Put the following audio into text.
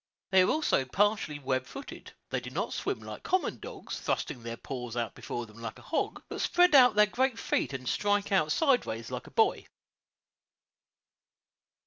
They are also partially web footed; they do not swim like common dogs, thrusting their paws out before them like a hog, but spread out their great feet and strike out sidewise like a boy.